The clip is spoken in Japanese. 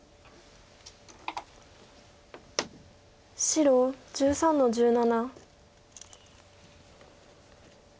白１３の十七。